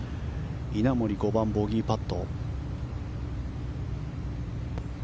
稲森、５番ボギーパット。